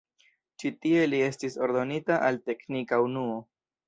Ĉi tie li estis ordonita al teknika unuo.